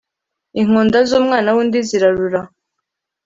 Inkonda z’umwana w’undi zirarura.